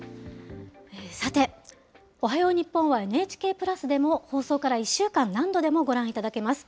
さて、おはよう日本はＮＨＫプラスでも、放送から１週間、何度でもご覧いただけます。